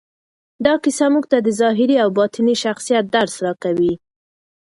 دا کیسه موږ ته د ظاهري او باطني شخصیت درس راکوي.